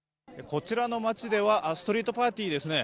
こちらの街ではストリートパテですね。